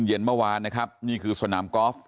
เย็นเมื่อวานนะครับนี่คือสนามกอล์ฟ